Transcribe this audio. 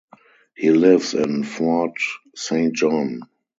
He lives in Fort Saint John.